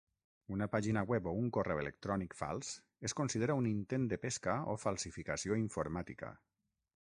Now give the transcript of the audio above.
Una pàgina web o un correu electrònic fals es considera un intent de pesca o falsificació informàtica.